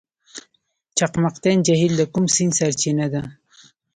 چقمقتین جهیل د کوم سیند سرچینه ده؟